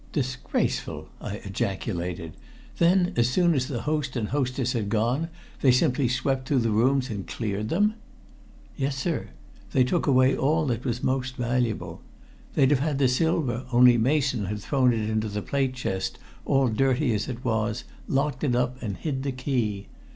"Disgraceful!" I ejaculated. "Then as soon as the host and hostess had gone, they simply swept through the rooms and cleared them?" "Yes, sir. They took away all that was most valuable. They'd have had the silver, only Mason had thrown it into the plate chest, all dirty as it was, locked it up and hid the key.